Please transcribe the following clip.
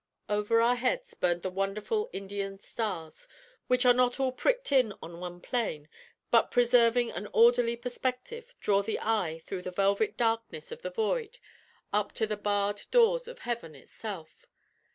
Over our heads burned the wonderful Indian stars, which are not all pricked in on one plane, but preserving an orderly perspective, draw the eye through the velvet darkness of the void up to the barred doors of heaven itself.